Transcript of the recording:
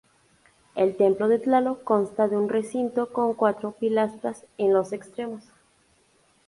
El templo de Tláloc consta de un recinto con cuatro pilastras en los extremos.